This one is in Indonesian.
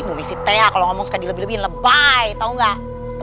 bu messi teak kalau ngomong suka dilebihin lebay tahu nggak